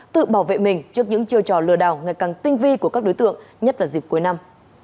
tự bảo vệ mình trước những chiêu trò lừa đảo ngày càng tinh vi của các đối tượng nhất là dịp cuối năm